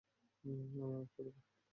আমায় মাফ করে দাও।